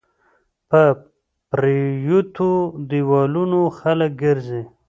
په پريوتو ديوالونو خلک ګرځى